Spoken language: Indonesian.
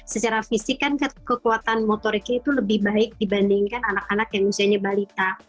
secara fisik kan kekuatan motoriknya itu lebih baik dibandingkan anak anak yang usianya balita